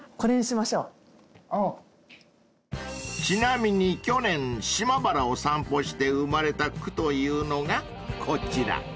［ちなみに去年島原を散歩して生まれた句というのがこちら］